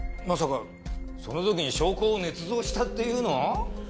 まさかその時に証拠を捏造したっていうの？